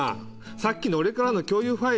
さっきの俺からの共有ファイル